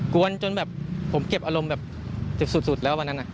วนจนแบบผมเก็บอารมณ์แบบเจ็บสุดแล้ววันนั้น